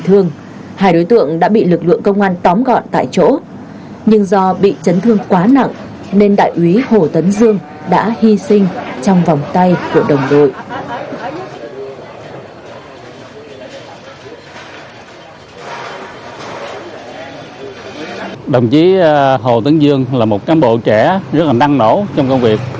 trong khi bị thương hai đối tượng đã bị lực lượng công an tóm gọn tại chỗ nhưng do bị chấn thương quá nặng nên đại úy hồ tấn dương đã hy sinh trong vòng tay của đồng đội